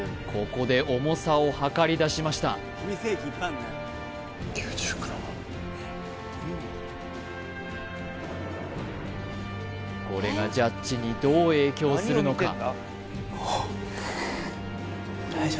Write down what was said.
ここで重さを量りだしましたこれがジャッジにどう影響するのか？